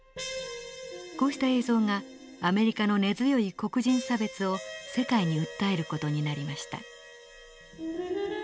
こうした映像がアメリカの根強い黒人差別を世界に訴える事になりました。